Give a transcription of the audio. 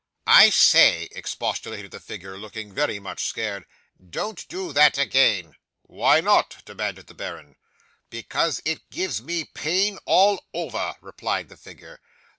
'"I say," expostulated the figure, looking very much scared; "don't do that again." '"Why not?" demanded the baron. '"Because it gives me pain all over," replied the figure.